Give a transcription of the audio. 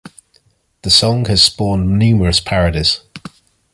The song has spawned numerous parodies.